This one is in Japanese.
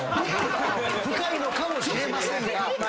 深いのかもしれませんが。